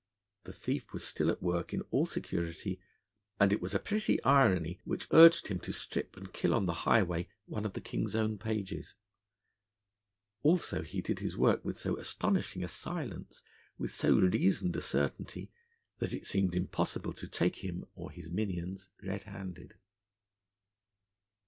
The thief was still at work in all security, and it was a pretty irony which urged him to strip and kill on the highway one of the King's own pages. Also, he did his work with so astonishing a silence, with so reasoned a certainty, that it seemed impossible to take him or his minions red handed.